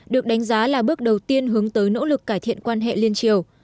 được đánh giá là bước đầu tiên hướng tới nỗ lực cải thiện quan hệ liên triều